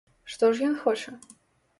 Што ж ён хоча?